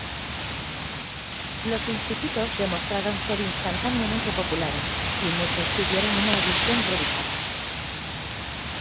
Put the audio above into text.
Los Institutos demostraron ser instantáneamente populares, y muchos pidieron una edición revisada.